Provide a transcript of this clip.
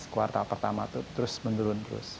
dua ribu enam belas kuartal pertama itu terus menurun terus